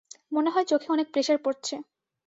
মনে হয় চোখে অনেক প্রেসার পরছে।